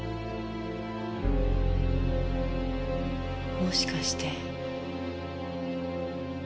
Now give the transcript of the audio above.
もしかして。